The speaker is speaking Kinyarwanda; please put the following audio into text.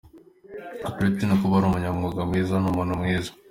Ati uretse no kuba ari umunyamwuga mwiza ni n’umuntu mwiza !